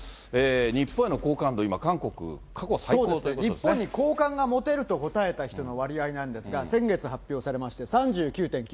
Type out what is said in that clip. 日本への好感度、今、韓国、過去日本に好感が持てると答えた人の割合なんですが、先月発表されまして、３９．９。